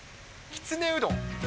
きつねうどん。